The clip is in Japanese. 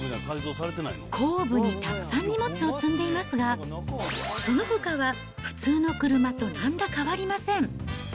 後部にたくさん荷物を積んでいますが、そのほかは普通の車となんら変わりません。